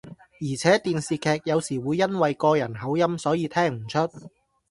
而且電視劇有時會因為個人口音所以聽唔出